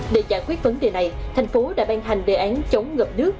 để giải quyết vấn đề này thành phố đã ban hành đề án chống ngập nước